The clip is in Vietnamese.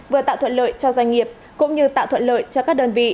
vừa tạo thuận lợi cho doanh nghiệp cũng như tạo thuận lợi cho các đơn vị